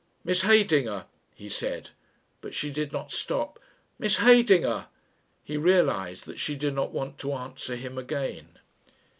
"Miss Heydinger," he said, but she did not stop. "Miss Heydinger." He realised that she did not want to answer him again....